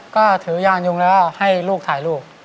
ก็ถือยางยุงแล้วให้ลูกถ่ายรูป